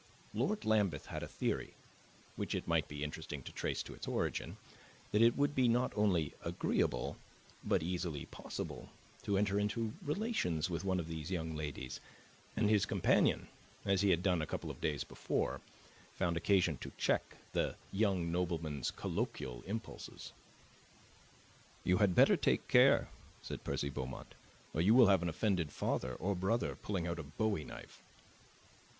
Lord Lambeth had a theory, which it might be interesting to trace to its origin, that it would be not only agreeable, but easily possible, to enter into relations with one of these young ladies; and his companion (as he had done a couple of days before) found occasion to check the young nobleman's colloquial impulses. "You had better take care," said Percy Beaumont, "or you will have an offended father or brother pulling out a bowie knife."